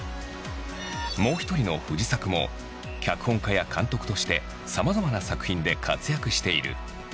もう一人の藤咲も脚本家や監督としてさまざまな作品で活躍している。